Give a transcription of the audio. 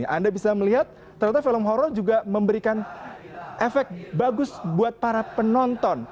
anda bisa melihat ternyata film horror juga memberikan efek bagus buat para penonton